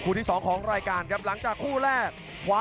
อื้อหือจังหวะขวางแล้วพยายามจะเล่นงานด้วยซอกแต่วงใน